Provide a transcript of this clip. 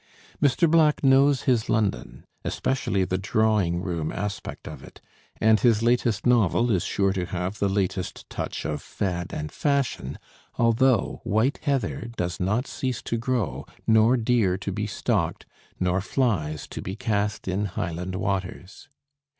Mr. Black knows his London, especially the drawing room aspect of it, and his latest novel is sure to have the latest touch of fad and fashion, although white heather does not cease to grow nor deer to be stalked, nor flies to be cast in Highland waters.